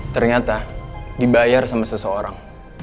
ternyata dibayar sama seseorang